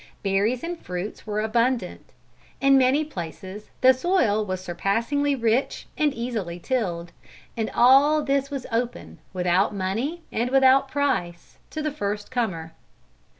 Berries and fruits were abundant. In many places the soil was surpassingly rich, and easily tilled; and all this was open, without money and without price, to the first comer.